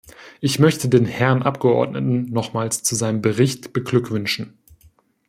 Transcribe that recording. Ich möchte den Herrn Abgeordneten nochmals zu seinem Bericht beglückwünschen.